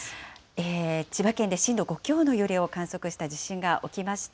千葉県で震度５強の揺れを観測した地震が起きました。